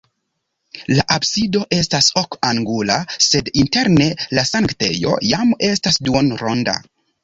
La absido estas ok-angula, sed interne la sanktejo jam estas duonronda.